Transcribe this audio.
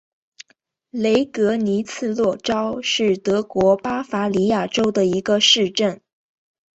雷格尼茨洛绍是德国巴伐利亚州的一个市镇。